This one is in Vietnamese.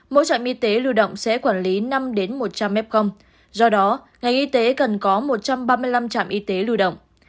mỗi trạm y tế lưu động sẽ quản lý năm một trăm linh m do đó ngành y tế cần có một trăm ba mươi năm trạm y tế lưu động